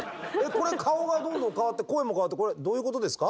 これ顔がどんどん変わって声も変わってこれどういうことですか？